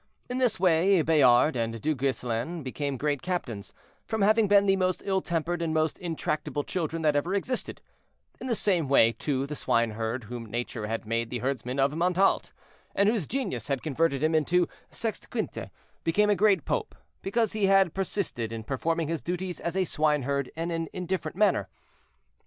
In this way Bayard and Du Gueselin became great captains, from having been the most ill tempered and most intractable children that ever existed; in the same way, too, the swineherd, whom nature had made the herdsman of Montalte, and whose genius had converted him into Sexte Quinte, became a great pope, because he had persisted in performing his duties as a swineherd in an indifferent manner.